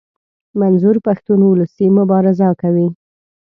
منظور پښتون اولسي مبارزه کوي.